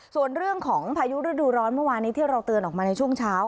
ส่วนเรื่องของพายุฤดูร้อนเมื่อวานนี้ที่เราเตือนออกมาในช่วงเช้า